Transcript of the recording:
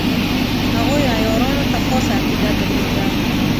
هغوی عیارانو ته خاصه عقیده درلوده.